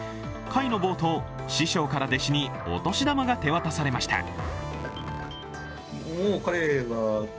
会の冒頭、師匠から弟子にお年玉が手渡されました。